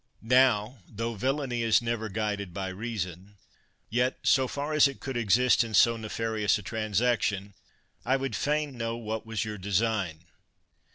Now, tho villainy is never guided by rea son, yet, so far as it could exist in so nefarious a transaction, I would fain know what was your design.